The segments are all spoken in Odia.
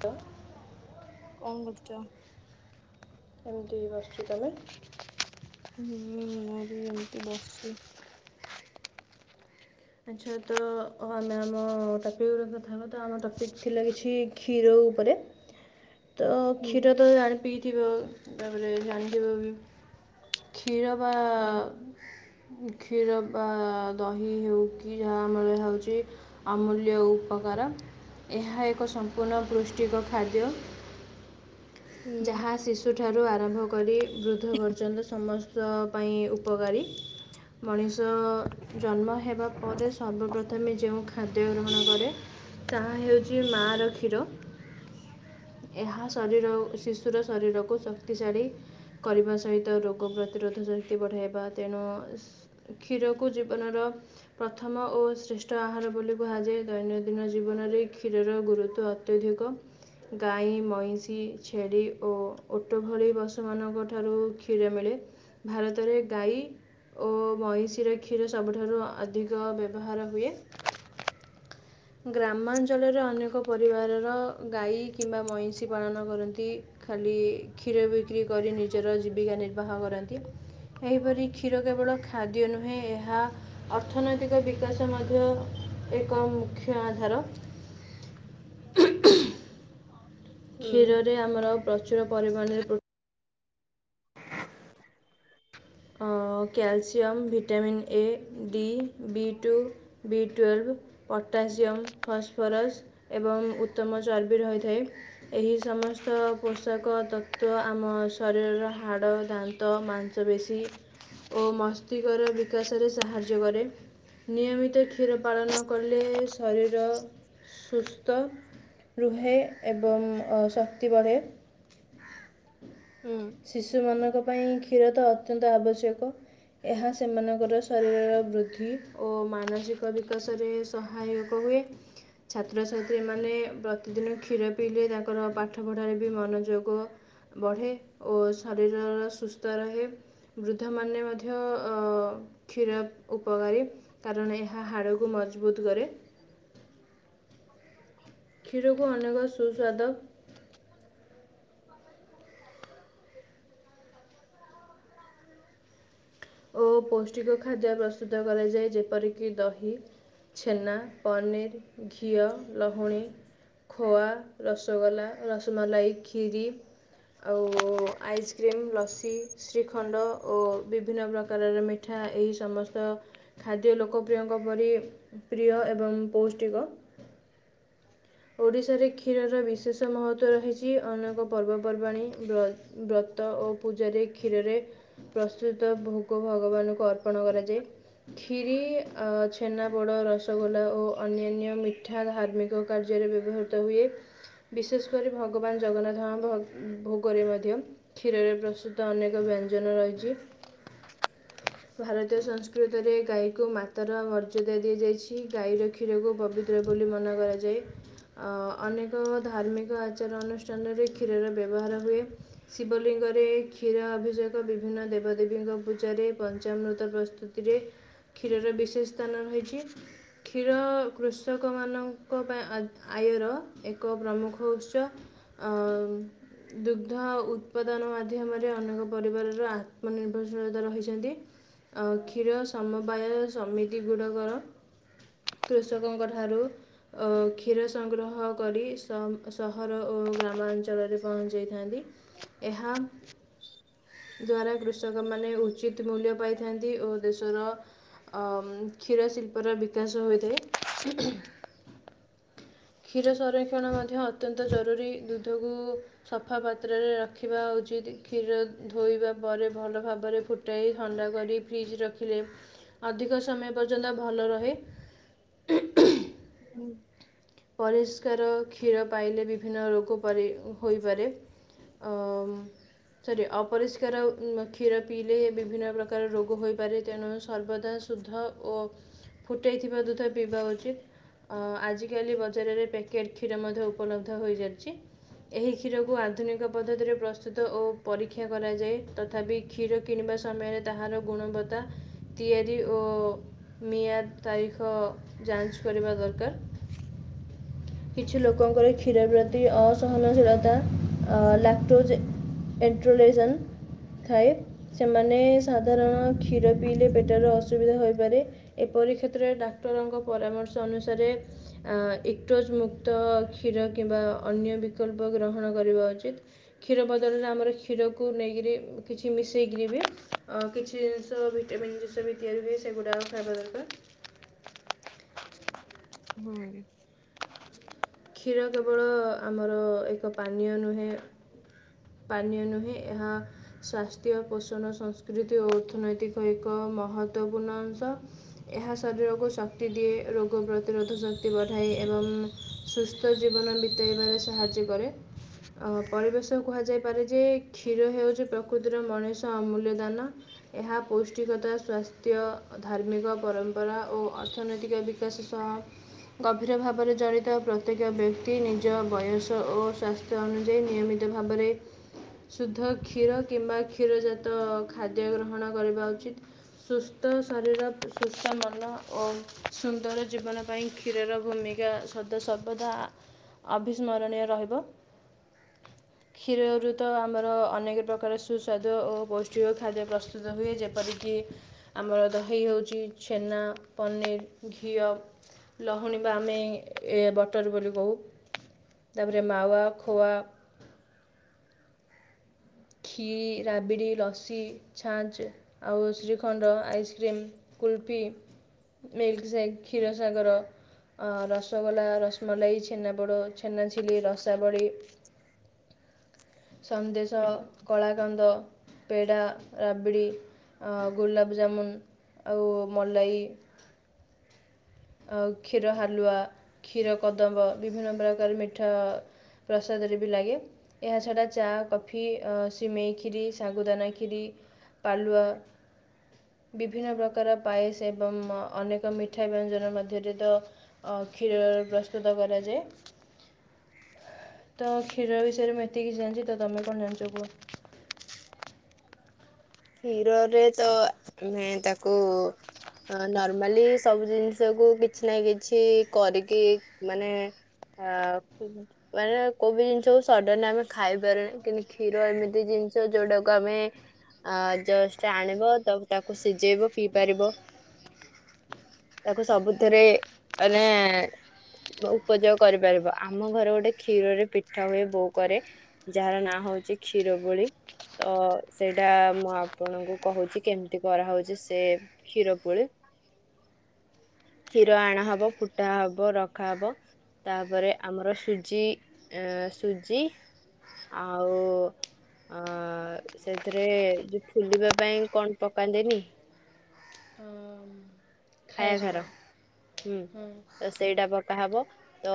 ତ [inaudible] କଣ କରୁଛ? ଏମିତି ବସ୍ଛି ତମେ? ହୁଁ ମୁଁ ବି ଏମିତି ବସିଛି। ଆଛା ତ ଆମେ ଆମ ଟପିକ୍ ରେ କଥା ହଁ ଆମ ଟପିକ ଥିଲା କିଛି କ୍ଷୀର ଉପରେ [inaudible] ତ ହୁଁ କ୍ଷୀର ତ ଜାଣି ପିଇଥିବ ତାପରେ ଜାଣିଥିବ ବି କ୍ଷୀର ବା ହୁଁ କ୍ଷୀର ବା ଦହି ହେଉ ଯାହା ଆମ ହଉଛି ଅମୂଲ୍ୟ ଉପକାର ଏହା ଏକ ସମ୍ପୂର୍ଣ୍ଣ ପୃଷ୍ଟିକ ଖାଦ୍ୟ ହୁଁ ଯାହା ଶିଶୁଠାରୁ ଆରମ୍ଭ କରି ବୃଦ୍ଧ ପର୍ଯ୍ୟନ୍ତ ସମସ୍ତ ପାଇଁ ଉପକାରୀ ମଣିଷ ତ ଜନ୍ମ ହେବା ପରେ ସର୍ବପ୍ରଥମେ ଯେଉଁ ଖାଦ୍ୟ ସଦ୍ୟ ଗ୍ରହଣ କରେ ତାହା ହେଉଛି ମାର କ୍ଷୀର ଏହା ଶରୀର ଶିଶୁର ଶରୀରକୁ ଶକ୍ତିଶାଳୀ କରିବା ସହିତ ରୋଗ ପ୍ରତିରୋଧ ଶକ୍ତି ବଢାଇବା ତେଣୁ କ୍ଷୀରକୁ ଜୀବନର ପ୍ରଥମ ଓ ଶ୍ରେଷ୍ଠ ଆହାର ବୋଲି କୁହାଯାଏ। ଦୈନନ୍ଦିନ ଜୀବନରେ କ୍ଷୀରର ଗୁରୁତ୍ୟ ଅତ୍ୟଧିକ ଗାଈ ମଇଁଷି ଛେଳି ଓ ଓଟ ଭଳି ପଶୁ ମାନଙ୍କ ଠାରୁ କ୍ଷୀର ମିଳେ ଭାରତରେ ଗାଈ ଓ ମଇଁଷିର କ୍ଷୀର ସବୁଠାରୁ ଅଧିକ ବ୍ୟବହାର ହୁଏ ଗ୍ରାମାଞ୍ଚଳରେ ଅନେକ ପରିବାରର ଗାଈ କିମ୍ବା ମଇଁଷି ପାଳନ କରନ୍ତି। ଖାଲି କ୍ଷୀର ବିକ୍ରି କରି ନିଜର ଜୀବିକା ନିର୍ବାହ କରନ୍ତି। ଏହିପରି କ୍ଷୀର କେବଳ ଖାଦ୍ୟ ନୁହେଁ ଏହା ଅର୍ଥନୈତିକ ବିକାଶ ମଧ୍ୟ ଏକ ମୁଖ୍ୟ ଆଧାର କ୍ଷୀରରେ ଆମର ପ୍ରଚୁର ପରିମାଣରେ ପ୍ର [unintelligible] calcium vitamin A D B two B twelve potassium phosphorus ଏବଂ ଉତ୍ତମ ଚର୍ବି ରହିଥାଏ ଏହି ସମସ୍ତ ସମସ୍ତ ପୋଷାକ ତତ୍ଵ ଆମ ଶରୀରର ହାଡ଼ ଦାନ୍ତ ମାଂସ ପେଶୀ ଓ ମସ୍ତିଷ୍କର ବିକାଶରେ ସାହାଯ୍ୟ କରେ। ନିୟମିତ କ୍ଷୀର ପାଳନ କଲେ ଶରୀର ସୁସ୍ଥ ରୁହେ ଏବଂ ଶକ୍ତି ବଢ଼େ [inaudible] ହୁଁ ଶିଶୁ ମାନଙ୍କ ପାଇଁ କ୍ଷୀର ତ ଅତ୍ୟନ୍ତ ଆବଶ୍ୟକ ଏହା ସେମାନଙ୍କର ଶରୀରର ବୃଦ୍ଧି ଓ ମାନସିକ ବିକାଶ [unintelligible] ସହାୟକ ହୁଏ। ଛାତ୍ରଛାତ୍ରୀ ମାନେ ପ୍ରତିଦିନ କ୍ଷୀର ପିଇଲେ ତାଙ୍କର ପାଠ ପଢାରେ ବି ମନୋଯୋଗ ବଢେ ଓ ଶରୀର ର ସୁସ୍ଥ ରହେ। ବୃଦ୍ଧା ମାନେ ମଧ୍ୟ ଅଁ କ୍ଷୀର ଉପକାରୀ କାରଣ ଏହା ହାଡ଼କୁ ମଜବୁତ କରେ। [inaudible] ଖୀରକୁ ଅନେକ ସୁସ୍ୱାଦ [unintelligible] [unintelligible] ଓ ପୌଷ୍ଟିକ ଖାଦ୍ୟ ପ୍ରସ୍ତୁତ କରାଯାଏ ଯେପରିକି ଦହି ଛେନା ପନିର୍ ଘିଅ ଲହୁଣୀ ଖୋଆ ରସଗୋଲା ରସ ମଲାଇ ଖିରି ଆଉ ଆଇସ୍କ୍ରିମ୍ ଲସି ଶ୍ରୀଖଣ୍ଡ ଓ ବିଭିନ୍ନ ପ୍ରକାରର ମିଠା ଏହି ସମସ୍ତ ଖାଦ୍ୟ ଲୋକପ୍ରିୟଙ୍କ ପରି ପ୍ରିୟ ଏବଂ ପୌଷ୍ଟିକ। [unintelligible] ଓଡ଼ିଶାରେ କ୍ଷୀରର ବିଶେଷ ମହତ୍ଵ ରହିଛି ଅନେକ ପର୍ବପର୍ବାଣି ବ୍ର ବ୍ରତ। ବ୍ରତ ଓ ପୂଜାରେ କ୍ଷୀରରେ ପ୍ରସ୍ତୁତ ଭୋଗ ଭଗବାନଙ୍କୁ ଅର୍ପଣ କରାଯାଏ। ଖିରି ଆ ଛେନା ପୋଡ ରସ ରସଗୋଲା ଓ ଅନ୍ୟାନ୍ୟ ମିଠା ଧାର୍ମିକ କାର୍ଯ୍ୟରେ ବ୍ୟବହୃତ ହୁଏ। ବିଶେଷ କରି ଭଗବାନ ଜଗନ୍ନାଥ। ଭୋଗରେ ମଧ୍ୟ କ୍ଷୀରରେ ପ୍ରସ୍ତୁତ ଅନେକ ବ୍ୟଞ୍ଜନ ରହିଛି। ଭାରତୀୟ ସଂସ୍କୃତିରେ ଗାଈକୁ ମାତାର ମର୍ଯଦା ଦିଆଯାଇଛି। ଗାଈ ରଖି କ୍ଷୀରକୁ ପବିତ୍ର ବୋଲି ମନା କରାଯାଏ। ଅନେକ ଧାର୍ମିକ ଆଚାର ଅନୁଷ୍ଠାନ। ଚନ୍ଦରେ କ୍ଷୀରର ବ୍ୟବହାର ହୁଏ ଶିବଲିଙ୍ଗରେ କ୍ଷୀର ଅଭିଯୋଗ ବିଭିନ୍ନ ଦେବାଦେବୀଙ୍କ ପୂଜାରେ ଚାମୃତ ପ୍ରସ୍ତୁତିରେ କ୍ଷୀରର ବିଶେଷ ସ୍ଥାନ ରହିଛି। କ୍ଷୀର କୃଷକମାନ ପାଇଁ ଆୟର ଏକ ପ୍ରମୁଖ ଉତ୍ସ ଆଁ ଦୁଗ୍ଧ ଉତ୍ପାଦନ ମାଧ୍ୟମରେ ଅନେକ ପରିବାରର ଆତ୍ମନିର୍ଭରଶୀଳତା ରହିଛନ୍ତି। କ୍ଷୀର ସମବାୟ ସମିତି ଗୁଡ଼ାକର। [inaudible] କୃଷକଙ୍କ ଠାରୁ ଅ କ୍ଷୀର ସଂଗ୍ରହ କରି ସହର ଓ ଗ୍ରାମାଞ୍ଚଳରେ ପହଞ୍ଚି ଯାଇଥାନ୍ତି। ଏହା ଦ୍ଵାରା କୃଷକମାନେ ଉଚିତ ମୂଲ୍ୟ ପାଇଥାନ୍ତି ଓ ଦେଶର ଅ କ୍ଷୀର ଶିଳ୍ପର ବିକାଶ ହୋଇଥାଏ। [inaudible] କ୍ଷୀର ସଂରକ୍ଷଣ ମଧ୍ୟ ଅତ୍ୟନ୍ତ ଜରୁରୀ ଦୁଧକୁ ସଫା ପାତ୍ରରେ ରଖିବା। ଖିରି କ୍ଷୀର ଧୋଇବା ପରେ ଭଲ ଭାବରେ ଫୁଟାଇ ଥଣ୍ଡା କରି ଫ୍ରିଜ ରଖିଲେ ଅଧିକ ସମୟ ପର୍ଯ୍ୟନ୍ତ ଭଲ ରହେ। ହୁଁ। ପରିଷ୍କାର କ୍ଷୀର ପାଇଲେ ବିଭିନ୍ନ ରୋଗ ପରି ହୋଇପାରେ। ଅ ସରି ଅପରିଷ୍କାର କ୍ଷୀର ପିଇଲେ ବିଭିନ୍ନ ପ୍ରକାର ରୋଗ ହୋଇପାରେ। ତେଣୁ ସର୍ବଦା ସୁଧ ଓ ଫୁଟେଇଥିବା ଦୁଧ ପିଇବା ଉଚିତ। [inaudible] ବଜାରରେ ପ୍ୟାକେଟ କ୍ଷୀର ମଧ୍ୟ୍ୟ ଉପଲନ୍ଧ ହୋଇଯାଇଛି ଏହି କ୍ଷୀର କୁ ଆଧୁନିକ ପଦ୍ଧତିରେ ପ୍ରସ୍ତୁତ ଓ ପରୀକ୍ଷା କରାଯାଏ ତଥାପି କ୍ଷୀର କିଣିବା ସମୟରେ ତାହାର ଗୁଣବତ୍ତା ବା ତିଆରି ଓ ମିଆଦ ତାରିଖ ଯାଞ୍ଚ କରିବା ଦରକାର। କିଛି ଲୋକଙ୍କର କ୍ଷୀର ପ୍ର ଦି ଅସନଶୀଳତା ଲାଟୋଜି ଏଟ୍ରଲେଜ ଥାଏ ସେମାନେ ସାଧାରଣ କ୍ଷୀର ପିଇଲେ ପେଟର ଅସୁବିଧା ହୋଇପାରେ। ଏପରି କ୍ଷେତ୍ରରେ ଡାକ୍ତରଙ୍କ ପରାମର୍ଶ ଅନୁସାରେ ଏଇକ୍ଟୋଜ ମୁକ୍ତ କ୍ଷୀର କିମ୍ବା ଅନ୍ୟ ବିକଳ୍ପ ଗ୍ରହଣ କରିବା ଉଚିତ୍। କ୍ଷୀର ବଦଳରେ ଆମର କ୍ଷୀରକୁ ନେଇକିରି କିଛି ମିଶେଇକିରି। [inaudible] ଅ କିଛି ଜିନିଷ ଭିଟାମିନ ତିଆରି ବି ସେଗୁଡା ଖାଇବା ଦରକାର। ହୁଁ। କ୍ଷୀର କେବଳ ଆମର ଏକ ପାନୀୟ ନୁହେଁ। ପାନୀୟ ନୁହେଁ ଏହା ସ୍ୱାସ୍ଥ୍ୟ ପୋଷଣ ସଂସ୍କୃତି ଓ ଅର୍ଥନୈତିକ ଏକ ମହତ୍ଵପୂର୍ଣ୍ଣ ଅଂଶ ଏହା ଶରୀରକୁ ଶକ୍ତି ଦିଏ ରୋଗ ପ୍ରତିରୋଧ ଶକ୍ତି ବଢ଼ାଏ। ଏବଂ ସୁସ୍ଥ ଜୀବନ ବିତେଇବାରେ ସାହାଯ୍ୟ କରେ। ଅ ପରିବେଶ କୁହାଯାଇପାରେ ଯେ କ୍ଷୀର ହଉଛି ପ୍ରକୃତିର ମଣିଷ ଅମୂଲ୍ୟ ଦାନ। ଏହା ପୌଷ୍ଟିକତା ସ୍ୱାସ୍ଥ୍ୟ ଧାର୍ମିକ ପରମ୍ପରା ଓ ଅର୍ଥନୈତିକ ବିକାଶ। ସହ [inaudible] ଗଭୀର ଭାବରେ ଜଡ଼ିତ ପ୍ର ପ୍ରତ୍ୟେକ ବ୍ୟକ୍ତି ନିଜ ବୟସ ଓ ସ୍ୱାସ୍ଥ୍ୟ ଅନୁଯାୟୀ ନିୟମିତ ଭାବରେ ଶୁଦ୍ଧ କ୍ଷୀର କିମ୍ବା କ୍ଷୀର ଜାତ ଖାଦ୍ୟ ଗ୍ରହଣ କରିବା ଉଚିତ। ସୁସ୍ଥ ଶରୀର ସୁସ୍ଥ ମନ ଓ ସୁନ୍ଦର ଜୀବନ ପାଇଁ କ୍ଷୀରର ଭୂମି ଜା ସଦା ସର୍ବଦା ଅଭିସ୍ମରଣୀୟ ରହିବ। [inaudible] କ୍ଷୀରରୁ ତ ଆମର ଅନେକ ପ୍ରକାର ସୁସ୍ୱାଦୁ ଓ ପୌଷ୍ଟିକ ଖାଦ୍ୟ ପ୍ରସ୍ତୁତ ହୁଏ ଯେପରିକି ଆମର ଦହି ହଉଛି ଛେନା ପନିର ଘିଅ ଲହୁଣୀ ବା ଆମେ ଏ ବର ତାରୁ କହୁ ତାପରେ ମାୱା ଖୋଆ। ଖୀ ରାବିଡି ଲସି ଛାଞ୍ଚ ଆଉ shrikhand ice cream kulfi. Milk shake କ୍ଷୀର ସାଗର। ଅ ରସଗୋଲା ରସମଲାଇ ଛେନାପୋଡ ଛେନା ଝିଲି ରଶା ବଳି। ସନ୍ଦେଶ କଳା କନ୍ଦ ପେଡ଼ା ରାବିଡ଼ି। ଆ ଗୋଲାପଜାମୁନ୍ ଆଉ ମଲାଇ। [inaudible] ଆଉ କ୍ଷୀର ହାଲୁଆ କ୍ଷୀର କଦମ୍ବ ବିଭିନ୍ନ ପ୍ରକାର ମିଠା ଆ ପ୍ରସାଦରେ ବି ଲାଗେ। ଏହାଛଡ଼ା ଚା କଫି ସିମେଇ ଖ୍ଷିରି ଶାଗୁଦାନା କ୍ଷିରି। ପାଲୁଅ ବିଭିନ୍ନ ପ୍ରକାର ପାଏସ ଏବଂ ଅନେକ ମିଠା ବ୍ୟଞ୍ଜ ମଧ୍ୟରେ ତ କ୍ଷୀର ଅଂ ରେ ପ୍ରସ୍ତୁତ କରାଯାଏ। ତ କ୍ଷୀର ବିଷୟରେ ମୁଁ ଏତିକି ଜାଣିଛି ତ ତମେ କଣ ଜାଣିଛ କୁହ? କ୍ଷୀର ରେ ତ ଆମେ ତାକୁ ନର୍ମାଲି ସବୁ ଜିନିଷ କୁ କିଛି ନା କିଛି କରିକି ମାନେ ଆ ମାନେ କୋଉ ବି ଜିନିଷକୁ ସଡନ ଆମେ ଖାଇପାରୁନେ କିନ୍ତୁ କ୍ଷୀର ଏମିତି ଜି ଜିନିଷ ଯୋଉଟାକୁ ଆମେ ଆ ଜଷ୍ଟ ଆଣିବ ତାପ ତାକୁ ସିଝେଇବ ପିଇ ପାରିବ। ତାକୁ ସବୁଥିରେ ମାନେ ଏ ଉପଯୋଗ କରିପାରିବ ଆମ ଘର ଗୋଟେ କ୍ଷୀରରେ ପିଠା ହୁଏ ବୋଉ କରେ ଯାହାର ନାଁ ହ ହଉଚି କ୍ଷୀର ଗୋଳି ତ ସେ ଟା ମୁଁ ଆପଣଙ୍କୁ କହୁଚି କେମିତି କରାହଉଚି ସେ କ୍ଷୀର ପୁଳି। କ୍ଷୀର ଆଣା ହବ ଫୁଟା ହବ ରଖା ହବ। ତାପରେ ଆମର ସୁଜିଏଁ ସୁଜି। ଆଉ ଅଂ ସେ ଏରେ ଯୋଉ ଫୁଲିବା ପାଇଁ କଣ ପକାନ୍ତିନି। ଖାଇବା ସୋଢା। ହୁଁ। ତ ସେଇଟା ପକାହବ ତ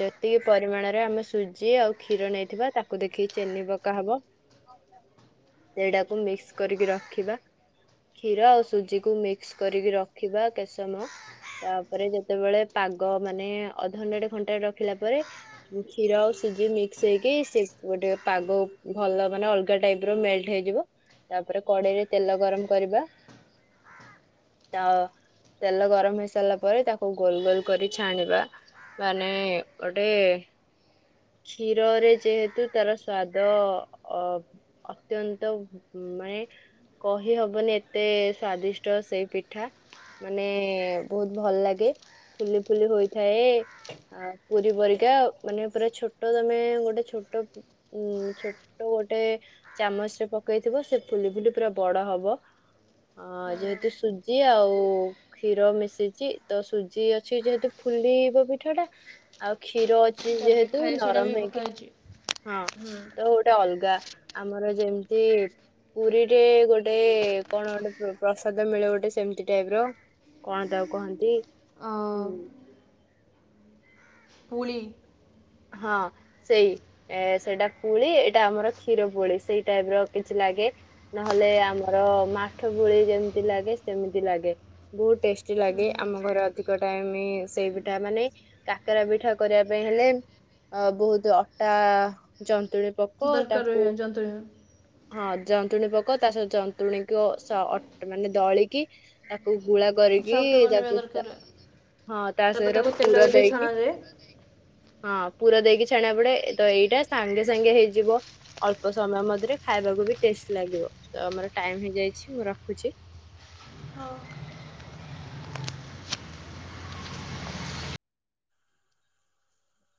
ଯେତିକି ପରିମାଣରେ ଆମେ ସୁଜି ଆଉ କ୍ଷୀର ନେଇଥିବା। ଆ ତାକୁ ଦେଖି ଚେନି ପକା ହବ। ସେଇଟାକୁ ମିକ୍ସ କରିକି ରଖିବା। କ୍ଷୀର ଆଉ ସୁଜିକୁ ମିକ୍ସ କରିକି ରଖିବା କେତ ସମୟ। ତାପରେ ଯେତେବେଳେ ପାଗ ମାନେ ଅଧଘଣ୍ଟାଟେ ଘଣ୍ଟାଟେ ରଖିଲା ପରେ କ୍ଷୀର ଆଉ ସୁଜି ମିକ୍ସ ହେଇକି ସେ ଗୋଟେ ପାଗ ଭଲ ମାନେ ଅଲଗା ଟାଇପ ର ମେଲଟ ହେଇଯିବ। ତାପରେ କଡେଇରେ ତେଲ ଗରମ କରିବା ତ ତେଲ ଗରମ ହେଇ ସାରିଲା ପରେ ତାକୁ ଗୋଲ ଗୋଲ କରି ଛାଣିବା। ମାନେ ଗୋଟେ କ୍ଷୀରରେ ଯେହେତୁ ତାର ସ୍ଵାଦ ଅ- ଅତ୍ୟନ୍ତ ମାଏ କହି ହବନି ଏତେ ସ୍ଵାଦିଷ୍ଟ ସେଇ ପିଠା। ମାନେ ବହୁତ ଭଲ ଲାଗେ। ଫୁଲି ଫୁଲି ହୋଇଥାଏ। ଆ, ପୁରୀ ପରିକା, ମାନେ ପୁରା ଛୋଟ ତୋମେ ଗୋଟେ ଛୋ ଟ ଉଁ, ଛୋଟ ଗୋଟେ ଚାମଚ ରେ ପକେଇଥିବ ସେ ଫୁଲି ଫୁଲି ପୁରା ବଡ ହବ। ଅଁ, ଯେହେତୁ ସୁ ଜି ଆଉ କ୍ଷୀର ମିଶିଛି ତ ସୁଜି ଅଛି ଯେହେତୁ ଫୁଲିବ ପିଠା ଟା। ଆଉ କ୍ଷୀର ଅଛି ତା'ପରେ ଯେହେତୁ ଖାଇବା ସୋଡ଼ା ନରମ ବି ହେଇକି, ପକାହେଇଛି ହଁ ତ ଗୋଟେ ଅଲଗା ଆମର ଯେମତି ପୁରୀରେ ଗୋଟେ କଣ ଗୋଟେ ପ- ପ୍ରସାଦ ମିଳେ ଗୋଟେ ସେମିତି ଟାଇପ୍ ର କଣ ତାକୁ କହନ୍ତି? ହୁଁ ପୁଳି ହଁ ସେଇ ଏ ସେଇଟା ପୁଳି ଏଇଟା ଆମର କ୍ଷୀର ପୁଳି। ସେଇ ଟାଇପ୍ ର କିଛି ଲା ଲାଗେ। ନହେଲେ ଆମର ମାଠ ପୁଳି ଯେମତି ଲାଗେ ସେମିତି ଲାଗେ। ବହୁ ଟେଷ୍ ଟି ଲାଗେ। ଆମ ଘର ଅଧିକ ଟାଇମ୍ ସେଇ ପିଠା ଆ, ମାନେ କାକରା ପିଠା କରିବା ପାଇଁ ହେଲେ ଅ, ବହୁତ ଅଟା ଜନ୍ତୁଳି ପକ। ଦରକାର ତାକୁ ହୁଏ ଜନ୍ତୁଣି ହଁ ଯନ୍ତୁଣୀ ପକ ତା ସହି ଯନ୍ତୁଣୀକୁ ଅ, ସ-ଅଟ-ମାନେ ଦଳିକି ତାକୁ ଗୁଳା କରିକି ସଫ୍ଟ ବନେଇବା ତାକୁ ତା ଦରକାର ହଁ ତା ତା'ପରେ ସଇର ତାକୁ ପୁର ତେଲରେ ବି ଦେଇକି ଛଣାଯାଏ ହଁ ପୁର ଦେଇକି ଛାଣିବା ପଡେ। ତ ଏଇଟା ସାଙ୍ଗେ ସାଙ୍ଗେ ହେଇଯିବ ଅଳ୍ପ ସମୟ ମଧ୍ୟରେ। ଖାଇବାକୁ ବି ଟେଷ୍ଟ ଲାଗିବ। ତ ଆମର ଟାଇମ୍ ହେଇଯାଇଛି ମୁଁ ରଖୁଛି। ହୋ।